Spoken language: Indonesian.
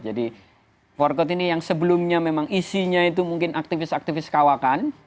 jadi forkot ini yang sebelumnya memang isinya itu mungkin aktivis aktivis kawakan